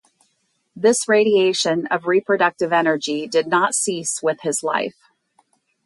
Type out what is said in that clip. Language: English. This radiation of reproductive energy did not cease with his life.